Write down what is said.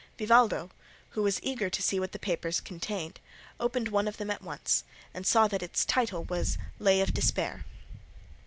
Vivaldo, who was eager to see what the papers contained, opened one of them at once, and saw that its title was "Lay of Despair."